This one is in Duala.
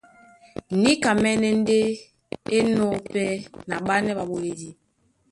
Níkamɛ́nɛ́ ndé é enɔ̄ pɛ́ na ɓánɛ́ ɓaɓoledi.